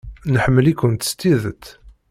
Nḥemmel-ikent s tidet.